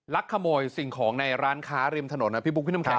ลักขโมยสิ่งของในร้านค้าเรียมถนนนะพี่ปุ๊บพี่น้ำแค้น